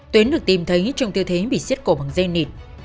tuyến được tìm thấy trong tư thế bị xiết cổ bằng dây nịt